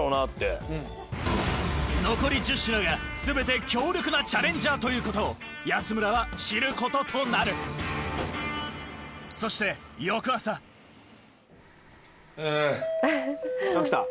残り１０品が全て強力なチャレンジャーということを安村は知ることとなるそしてあ。